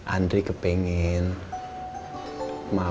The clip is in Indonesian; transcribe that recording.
andri kepengen mama